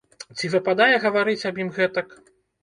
Ці выпадае гаварыць аб ім гэтак?